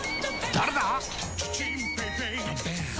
誰だ！